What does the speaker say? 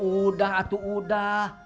udah atuh udah